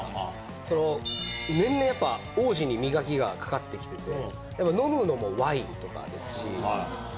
その、年々やっぱ王子に磨きがかかってきてて、飲むのもワインとかですし。